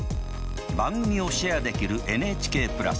番組をシェアできるＮＨＫプラス。